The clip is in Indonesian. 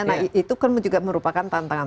nah itu kan juga merupakan tantangan